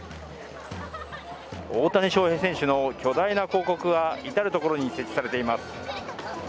大谷翔平選手の巨大な広告が至る所に設置されています。